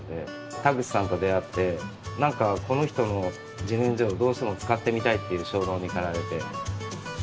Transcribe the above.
田口さんと出会ってなんかこの人の自然薯をどうしても使ってみたいという衝動に駆られて。